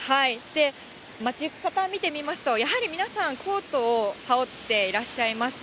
街行く方見てみますと、やはり皆さん、コートを羽織っていらっしゃいます。